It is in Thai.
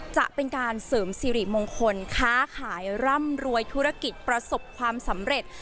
จะเป็นการเสริมสิริมงคลค้าขายร่ำรวยธุรกิจประสบความสำเร็จ